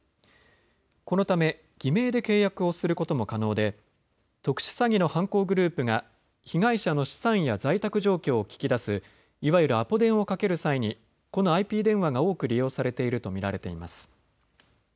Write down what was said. このため偽名で契約をすることも可能で特殊詐欺の犯行グループが被害者の資産や在宅状況を聞き出すいわゆるアポ電をかける際にこのＩＰ電話が多く利用されていると見られています。